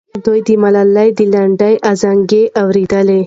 دوی د ملالۍ د لنډۍ ازانګې اورېدلې.